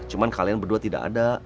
cuma kalian berdua tidak ada